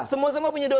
semua semua punya dosa